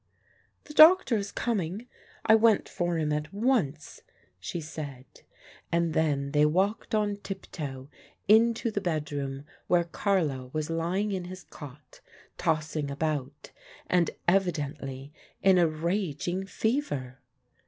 "The doctor is coming: I went for him at once," she said. And then they walked on tiptoe into the bedroom where Carlo was lying in his cot, tossing about, and evidently in a raging fever.